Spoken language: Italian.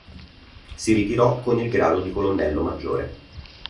Si ritirò con il grado di colonnello maggiore.